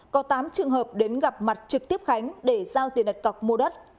có tám trường hợp đến gặp mặt trực tiếp khánh để giao tiền đặt cọc mua đất